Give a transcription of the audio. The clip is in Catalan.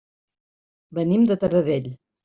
Venim de Taradell.